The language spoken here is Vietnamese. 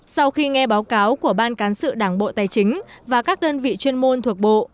sau khi nghe báo cáo của ban cán sự đảng bộ tài chính và các đơn vị chuyên môn thuộc bộ